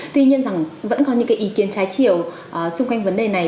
tuy nhiên rằng vẫn có những cái ý kiến trái chiều xung quanh vấn đề này